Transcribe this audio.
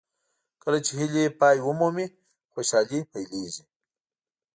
کله چې هیلې پای ومومي خوشالۍ پیلېږي.